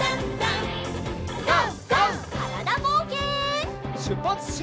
からだぼうけん。